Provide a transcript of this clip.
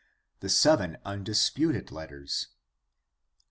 The seven undisputed letters.